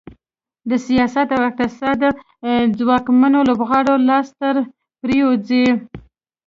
د سیاست او اقتصاد ځواکمنو لوبغاړو لاس ته پرېوځي.